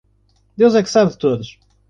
Deus é que sabe de todos.